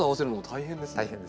大変ですね。